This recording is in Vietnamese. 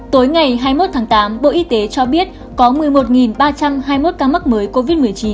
tối ngày hai mươi một tháng tám bộ y tế cho biết có một mươi một ba trăm hai mươi một ca mắc mới covid một mươi chín